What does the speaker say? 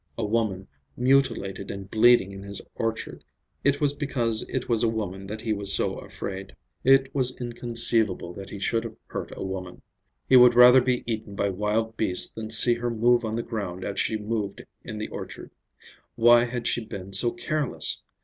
A woman, mutilated and bleeding in his orchard—it was because it was a woman that he was so afraid. It was inconceivable that he should have hurt a woman. He would rather be eaten by wild beasts than see her move on the ground as she had moved in the orchard. Why had she been so careless?